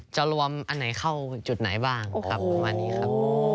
จะรวมอันไหนเข้าจุดไหนบ้างครับประมาณนี้ครับ